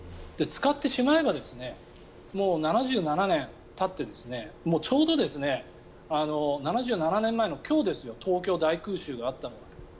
使ってしまえば７７年たってもうちょうど７７年前の今日ですよ東京大空襲があったのは。